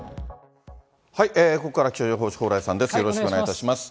ここから気象予報士、蓬莱さんです。